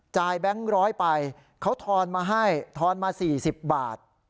แบงค์ร้อยไปเขาทอนมาให้ทอนมา๔๐บาท